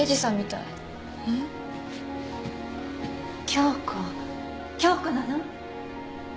京子京子なの？